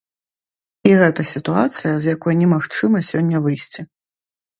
І гэта сітуацыя, з якой немагчыма сёння выйсці.